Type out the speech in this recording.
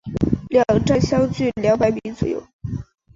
两站相距二百米左右。